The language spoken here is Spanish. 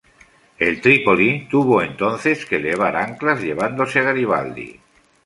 El "Trípoli" tuvo entonces que levar anclas llevándose a Garibaldi.